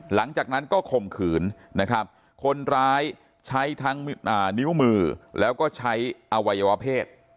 หลังจากนั้นก็คมขืนคนร้ายใช้ทางนิ้วมือแล้วก็ใช้อวัยวเพศ